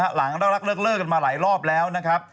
หลังเรารักเลิกกันมาหลายรอบแล้วนะครับ